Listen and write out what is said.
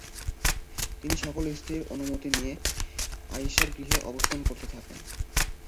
তিনি সকল স্ত্রীর অনুমতি নিয়ে আয়িশার গৃহে অবস্থান করতে থাকেন।